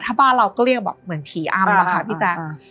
ถ้าบ้านเราก็เรียกแบบเหมือนผีอำอะค่ะพี่แจ๊ค